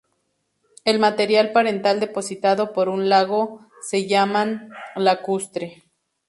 El material parental depositado por un lago se llama m. p. lacustre.